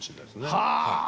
はあ！